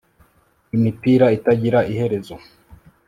imipira itagira iherezo